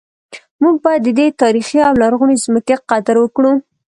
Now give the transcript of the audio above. موږ باید د دې تاریخي او لرغونې ځمکې قدر وکړو